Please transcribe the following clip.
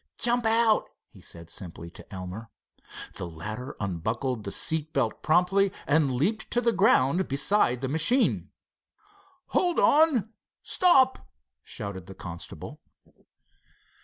"Jump out," he said simply, to Elmer. The latter unbuckled the seat belt promptly and leaped to the ground beside the machine. "Hold on! Stop!" shouted the constable.